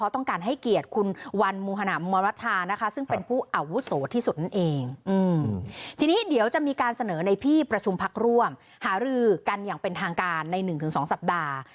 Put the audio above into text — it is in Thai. ทีนี้เดี๋ยวจะมีการเสนอในที่ประชุมพักร่วมหารือกันอย่างเป็นทางการใน๑๒สัปดาห์